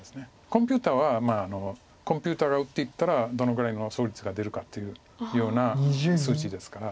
コンピューターはコンピューターが打っていったらどのぐらいの勝率が出るかというような数値ですから。